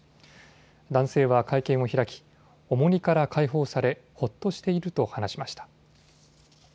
男性は会見を開き、重荷から解放されほっとしていると話しました。